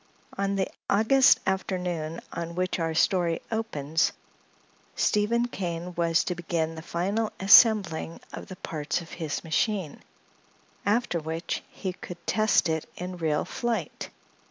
On the August afternoon on which our story opens Stephen Kane was to begin the final assembling of the parts of his machine, after which he could test it in real flight.